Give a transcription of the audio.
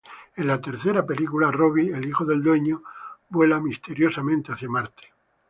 En la tercera película, Robbie, el hijo del dueño vuela misteriosamente hacia Marte.